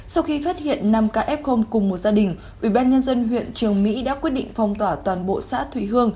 sau khi phát hiện năm kf cùng một gia đình ubnd huyện trường mỹ đã quyết định phong tỏa toàn bộ xã thụy hương